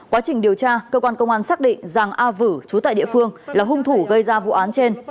quá trình điều tra cơ quan công an xác định giàng a vữ trú tại địa phương là hung thủ gây ra vụ án trên